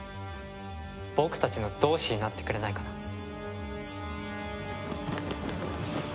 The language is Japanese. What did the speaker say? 僕たちの同志になってくれないかな？